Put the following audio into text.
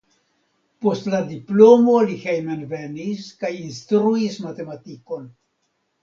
Post la diplomo li hejmenvenis kaj instruis matematikon.